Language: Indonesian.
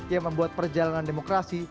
yang membuat perjalanan demokrasi